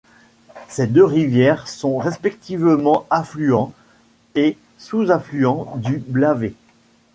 Ces deux rivières sont respectivement affluent et sous-affluent du Blavet.